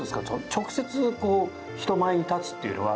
直接人前に立つというのは。